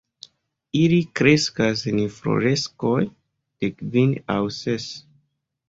Ili kreskas en infloreskoj de kvin aŭ ses.